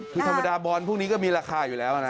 คือธรรมดาบอลพวกนี้ก็มีราคาอยู่แล้วนะ